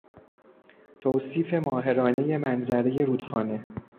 توصیف ماهرانهی منظرهی رودخانه